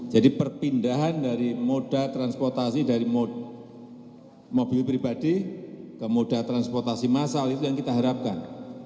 jadi perpindahan dari moda transportasi dari mobil pribadi ke moda transportasi masal itu yang kita harapkan